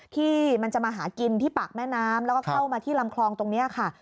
ที่มันจะมาหากินที่ปากแม่น้ำแล้วก็เข้ามาที่ลำคลองตรงนี้ค่ะ